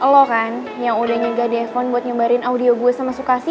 lo kan yang udah nyegah di iphone buat nyumbarin audio gue sama sukasi